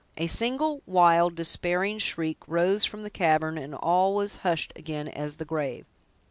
A single, wild, despairing shriek rose from the cavern, and all was hushed again as the grave.